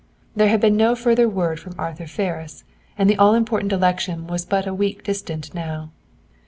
There had been no further word from Arthur Ferris, and the all important election was but a week distant now.